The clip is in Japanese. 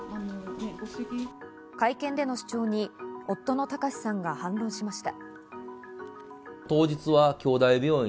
会見での主張に夫の貴志さんが反論しました。